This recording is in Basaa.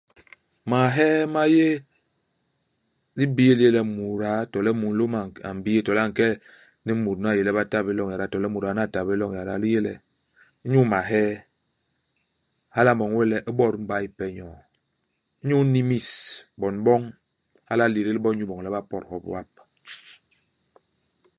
Mahee ma yé i libii li yé muda to le mulôm a nk a m'bii to le a nke ni mut nu a yé le ba ta hé loñ yada, to le muda nu a ta bé loñ yada li yé le, inyu mahee, hala a m'boñ we le u bot mbay ipe nyoo. Inyu nimis, bon boñ, hala a lédél bo inyu iboñ le ba pot hop wap.